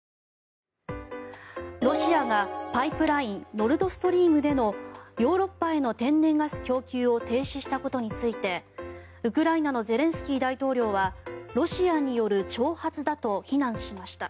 ロシアがパイプラインノルド・ストリームでのヨーロッパへの天然ガス供給を停止したことについてウクライナのゼレンスキー大統領はロシアによる挑発だと非難しました。